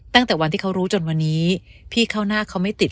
ตั้งแต่วันที่เขารู้จนวันนี้พี่เข้าหน้าเขาไม่ติด